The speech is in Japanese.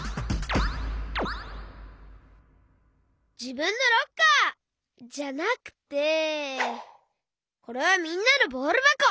じぶんのロッカー！じゃなくてこれはみんなのボールばこ！